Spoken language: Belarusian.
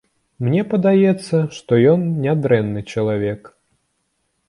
Мне падаецца, што ён нядрэнны чалавек.